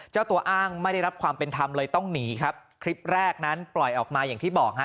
เจ้าตัวอ้างไม่ได้รับความเป็นธรรมเลยต้องหนีครับคลิปแรกนั้นปล่อยออกมาอย่างที่บอกฮะ